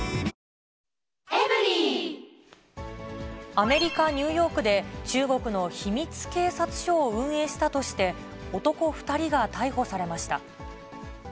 アメリカ・ニューヨークで中国の秘密警察署を運営したとして、男２人が逮捕されました。